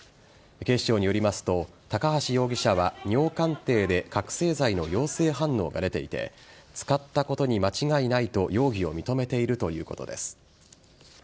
警視庁によりますと高橋容疑者は尿鑑定で覚醒剤の陽性反応が出ていて使ったことに間違いないと容疑を認めているということです。